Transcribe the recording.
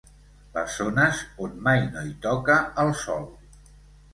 Les zones on mai no hi toca el sol.